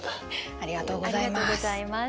ありがとうございます。